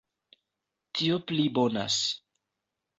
Tio pli bonas!